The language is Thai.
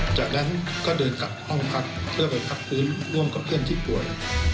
จากนั้นก็เดินกลับห้องพักเพื่อไปพักพื้นร่วมกับเพื่อนที่ป่วย